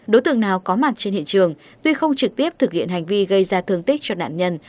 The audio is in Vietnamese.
đối tượng nào có mặt trên hiện trường tuy không trực tiếp thực hiện hành vi gây ra thương tích cho nạn nhân